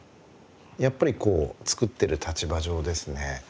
やっぱりこう造ってる立場上ですね